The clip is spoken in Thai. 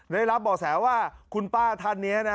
ได้รับบ่อแสว่าคุณป้าท่านนี้นะ